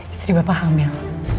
istri bapak hamil